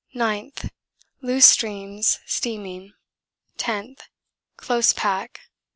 9th. Loose streams, steaming. 10th. Close pack.